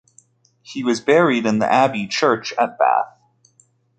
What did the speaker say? He was buried in the abbey church at Bath.